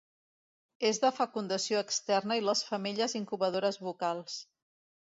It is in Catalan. És de fecundació externa i les femelles incubadores bucals.